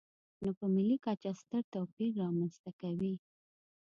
نو په ملي کچه ستر توپیر رامنځته کوي.